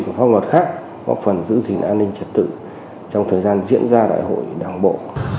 của pháp luật khác góp phần giữ gìn an ninh trật tự trong thời gian diễn ra đại hội đảng bộ